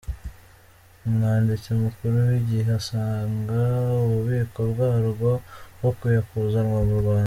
Umwanditsi Mukuru w’igihe asanga ububiko bwarwo bukwiye kuzanwa mu Rwanda